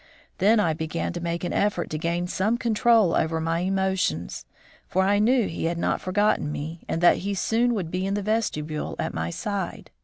Then I began to make an effort to gain some control over my emotions, for I knew he had not forgotten me, and that he soon would be in the vestibule at my side.